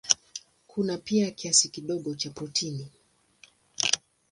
Kuna pia kiasi kidogo cha protini.